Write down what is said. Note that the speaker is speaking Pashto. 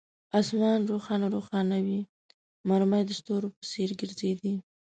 آسمان روښانه روښانه وو، مرمۍ د ستورو په څیر ګرځېدې.